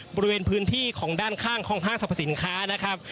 บริเวณพื้นที่ของด้านข้างของห้างสรรพสินค้านะครับ